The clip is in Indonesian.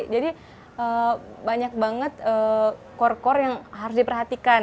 jadi banyak banget core core yang harus diperhatikan